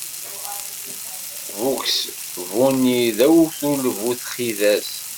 Bugs Bunny d awtul bu txidas.